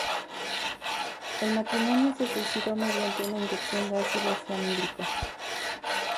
El matrimonio se suicidó mediante una inyección de ácido cianhídrico.